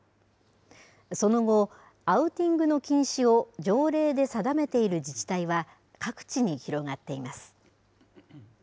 その後、アウティングの禁止を条例で定めている自治体は、各地に広がっています。